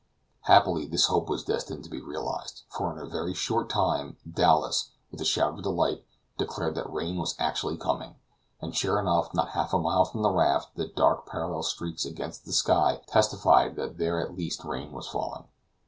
Happily this hope was destined to be realized; for in a very short time, Dowlas, with a shout of delight, declared that rain was actually coming; and sure enough, not half a mile from the raft, the dark parallel streaks against the sky testified that there at least rain was falling.